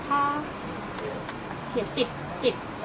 สวัสดีครับ